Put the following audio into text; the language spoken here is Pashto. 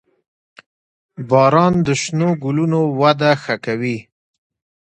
• باران د شنو ګلونو وده ښه کوي.